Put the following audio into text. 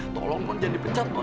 tolong non jangan dipecat non